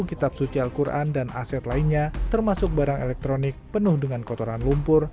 kitab suci al quran dan aset lainnya termasuk barang elektronik penuh dengan kotoran lumpur